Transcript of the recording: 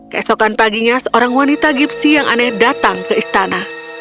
keesokan paginya seorang wanita gipsi yang aneh datang ke istana